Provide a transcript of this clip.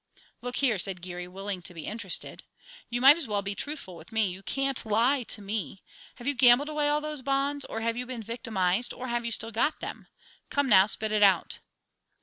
"Look here!" said Geary, willing to be interested, "you might as well be truthful with me. You can't lie to me. Have you gambled away all those bonds, or have you been victimized, or have you still got them? Come, now, spit it out."